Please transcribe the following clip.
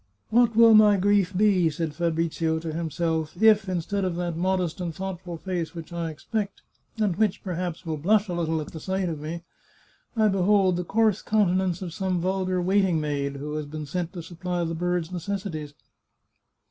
" What will my grief be," said Fabrizio to himself, " if, instead of that modest and thoughtful face which I expect, and which, perhaps, will blush a little at the sight of me, I behold the coarse countenance of some vulgar waiting maid, who has been sent to supply the birds' necessities?